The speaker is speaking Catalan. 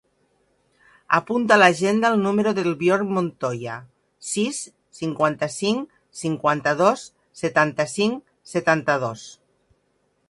Apunta a l'agenda el número del Bjorn Montoya: sis, cinquanta-cinc, cinquanta-dos, setanta-cinc, setanta-dos.